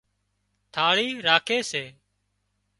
ٿاۯي راکي سي